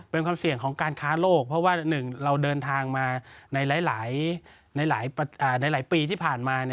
เป็นความเสี่ยงของการค้าโลกเพราะว่าหนึ่งเราเดินทางมาในหลายปีที่ผ่านมา